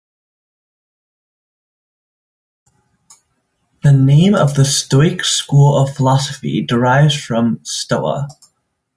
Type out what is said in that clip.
The name of the Stoic school of philosophy derives from "stoa".